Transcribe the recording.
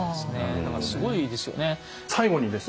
だからすごいですよね。